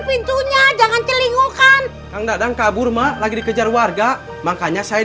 pintunya jangan celinggung kan kang dadang kabur mah lagi dikejar warga makanya saya